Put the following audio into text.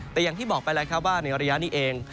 แต่อย่างที่บอกไปแล้วครับว่าในระยะนี้เอง